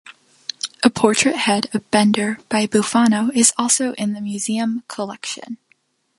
A portrait head of Bender by Bufano is also in the museum collection.